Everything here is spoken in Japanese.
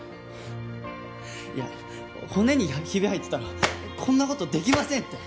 いや骨にヒビ入ってたらこんな事できませんって。